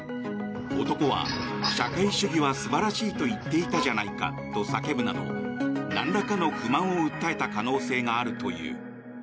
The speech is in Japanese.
男は社会主義は素晴らしいと言っていたじゃないかと叫ぶなど、なんらかの不満を訴えた可能性があるという。